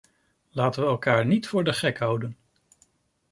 Laten we elkaar niet voor de gek houden.